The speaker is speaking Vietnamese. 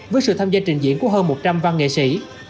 với sự tham gia trình diễn của hơn một trăm linh văn nghệ sĩ